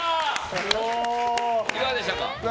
いかがでしたか？